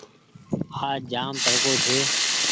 آج جآم تڙڪو ڇي